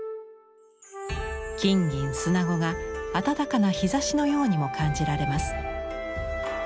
金銀砂子が暖かな日ざしのようにも感じられます。